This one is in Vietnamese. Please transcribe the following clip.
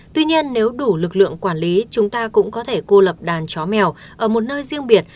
tuy nhiên nếu đủ lực lượng quản lý chúng ta cũng có thể cô lập đàn chó mèo ở một nơi riêng biệt